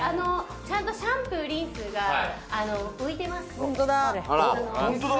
ちゃんとシャンプー、リンスが浮いてます。